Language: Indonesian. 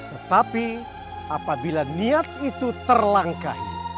tetapi apabila niat itu terlangkahi